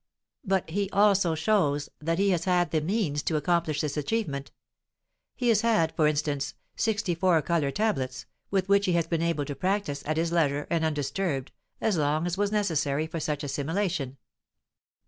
but he also shows that he has had the means to accomplish this achievement; he has had, for instance, sixty four color tablets, with which he has been able to practise at his leisure and undisturbed, as long as was necessary for such assimilation.